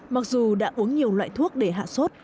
mặc dù đã uống nhiều loại thuốc để hạ sốt